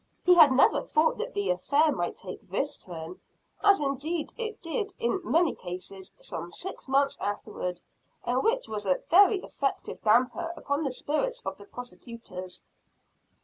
He had never thought that the affair might take this turn as indeed it did in many cases, some six months afterward; and which was a very effective damper upon the spirits of the prosecutors.